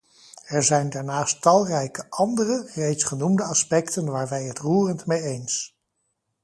Er zijn daarnaast talrijke andere, reeds genoemde aspecten waar wij het roerend mee eens.